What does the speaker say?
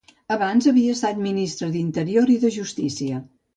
Abans havia estat ministre d'interior i de justícia.